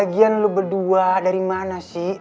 bagian lu berdua dari mana sih